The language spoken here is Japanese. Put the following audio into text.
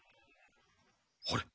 あれ？